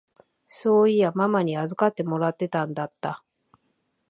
そういやママに預かってもらってたんだった。